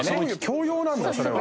強要なんだそれは。